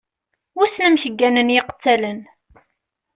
Wissen amek gganen yiqettalen?